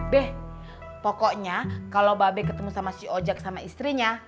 be pokoknya kalo babe ketemu sama si ojak sama istrinya